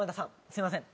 すいません